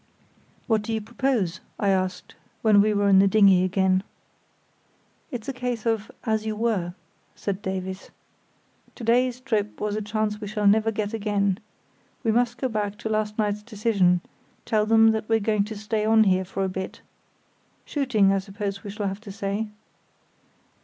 "What do you propose?" I asked, when we were in the dinghy again. "It's a case of 'as you were'," said Davies. "To day's trip was a chance we shall never get again. We must go back to last night's decision—tell them that we're going to stay on here for a bit. Shooting, I suppose we shall have to say."